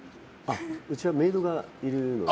うちはメイドがいるので。